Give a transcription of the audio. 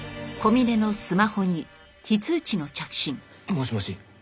もしもし。